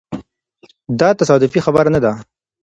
دا تصادفي خبره نه ده.